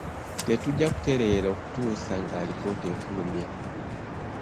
Tetujja kuteerera okutuusa ng'alipoota efulumye.